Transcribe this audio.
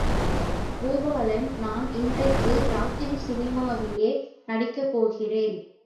பூபாலன், நான் இன்றைக்கு ராத்திரி சினிமாவிலே நடிக்கப் போகிறேன்.